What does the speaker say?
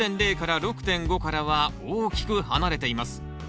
ｐＨ６．０６．５からは大きく離れています。